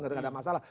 nggak ada masalah